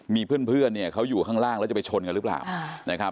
มีเพื่อนเนี่ยเขาอยู่ข้างล่างแล้วจะไปชนกันหรือเปล่านะครับ